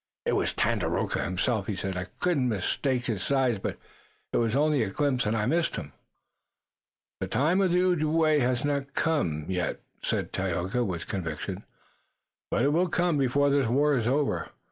"It was Tandakora himself," he said. "I couldn't mistake his size, but it was only a glimpse, and I missed." "The time of the Ojibway has not come," said Tayoga with conviction, "but it will come before this war is over."